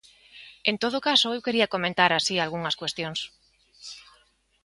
En todo caso, eu quería comentar así algunhas cuestións.